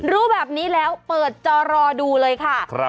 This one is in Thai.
รู้แบบนี้แล้วเปิดจอรอดูเลยค่ะ